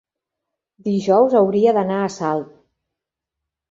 dijous hauria d'anar a Salt.